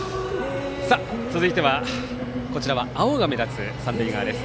続いては青が目立つ三塁側です。